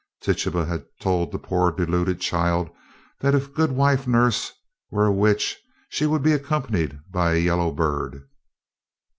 Tituba had told the poor deluded child that if Goodwife Nurse were a witch, she would be accompanied by a yellow bird.